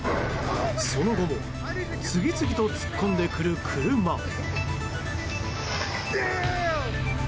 その後も次々と突っ込んでくる車。